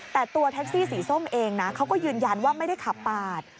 แต่ตัวแท็กซี่สีส้มเองนะเขาก็ยืนยันว่าไม่ได้ขับปาด